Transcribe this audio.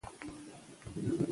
افتخارات په عدالت ووېشه.